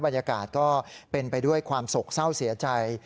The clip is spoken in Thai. บรรยากาศก็เป็นไปด้วยความโศกเศร้าเสียใจ